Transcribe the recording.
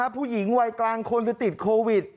ผู้หญิงวัยกลางคนจะติดโควิด